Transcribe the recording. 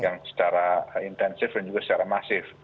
yang secara intensif dan juga secara masif